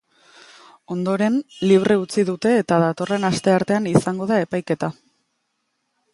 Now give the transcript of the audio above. Ondoren, libre utzi dute eta datorren asteartean izango da epaiketa.